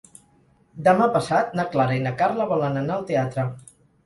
Demà passat na Clara i na Carla volen anar al teatre.